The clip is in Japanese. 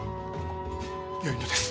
よいのです。